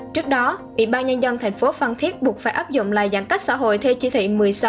trước đó ủy ban nhân dân thành phố phan thiết buộc phải áp dụng là giãn cách xã hội theo chỉ thị một mươi sáu